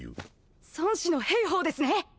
孫子の兵法ですね。